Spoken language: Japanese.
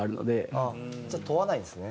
あっじゃあ問わないんですね。